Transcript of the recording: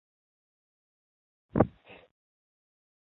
绵羊饲养普通。